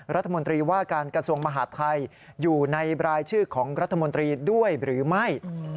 รัฐมนตรีว่าการกระทรวงมหาดไทยอยู่ในรายชื่อของรัฐมนตรีด้วยหรือไม่